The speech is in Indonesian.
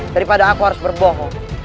daripada aku harus berbohong